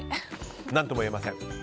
何とも言えません。